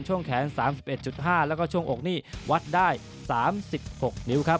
ช่วงแขน๓๑๕แล้วก็ช่วงอกนี่วัดได้๓๖นิ้วครับ